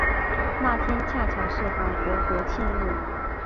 那天恰巧是法国国庆日。